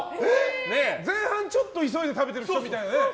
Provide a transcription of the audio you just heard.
前半、ちょっと急いで食べてる人みたいな。